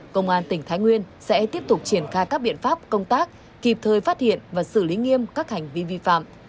công an tỉnh thái nguyên sẽ tiếp tục triển khai các biện pháp công tác kịp thời phát hiện và xử lý nghiêm các hành vi vi phạm